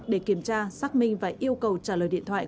để kiểm tra xác minh và yêu cầu trả lời điện thoại